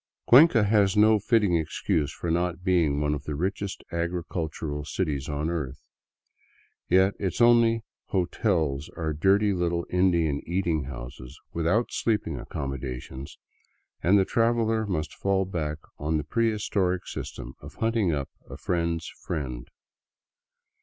Cuenca has no fitting excuse for not being one of the richest agricul tural cities on earth. Yet its only " hotels " are dirty little Indian eating houses without sleeping accommodations, and the traveler must fall back on the prehistoric system of hunting up a friend's friend.